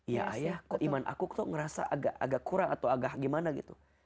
ya ayah kok iman aku tuh ngerasa agak kurang atau agak gimana gitu